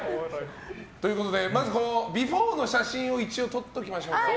まず、ビフォーの写真を一応撮っておきましょうかね。